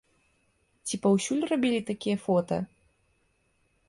Ці паўсюль рабілі такія фота?